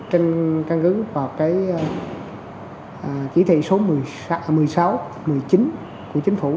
trên căn cứ và cái chỉ thị số một mươi sáu một mươi chín của chính phủ